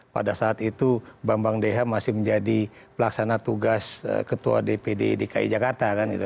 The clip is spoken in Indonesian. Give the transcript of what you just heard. pada saat itu bambang deha masih menjadi pelaksana tugas ketua dpd dki jakarta kan gitu